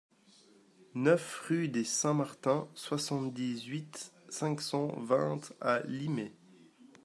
neuf rue des Saints Martin, soixante-dix-huit, cinq cent vingt à Limay